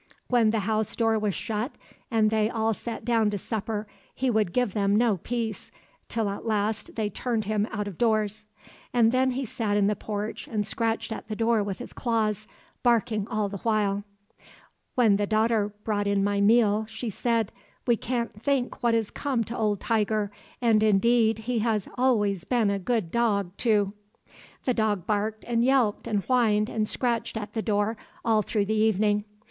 When the house door was shut and they all sat down to supper, he would give them no peace, till at last they turned him out of doors. And then he sat in the porch and scratched at the door with his claws, barking all the while. When the daughter brought in my meal, she said: 'We can't think what is come to old Tiger, and indeed, he has always been a good dog, too.' "The dog barked and yelped and whined and scratched at the door all through the evening.